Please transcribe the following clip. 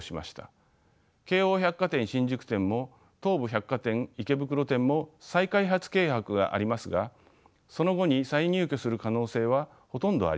京王百貨店新宿店も東武百貨店池袋店も再開発計画がありますがその後に再入居する可能性はほとんどありません。